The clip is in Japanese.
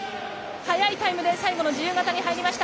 速いタイムで最後の自由形に入りました。